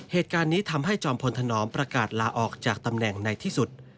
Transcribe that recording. เหตุการณ์นี้ทำให้จอมพลธนอมประกาศลาออกจากตำแหน่งในที่สุด